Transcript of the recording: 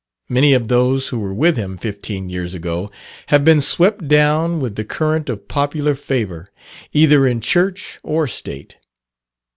Many of those who were with him fifteen years ago, have been swept down with the current of popular favour, either in Church or State.